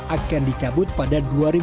akan dicabut pada dua ribu dua puluh